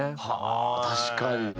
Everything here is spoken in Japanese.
はあ確かに。